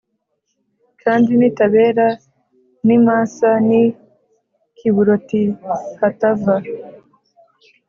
Kandi n i Tabera n i Masa n i Kiburotihatava